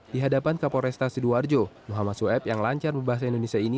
di hadapan kapol restasi sidoarjo muhammad sueb yang lancar membahas indonesia ini